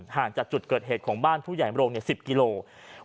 ห่างจากจุดเกิดเหตุของบ้านผู้ใหญ่โรง๑๐กิโลกรัม